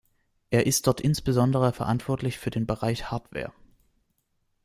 Er ist dort insbesondere verantwortlich für den Bereich Hardware.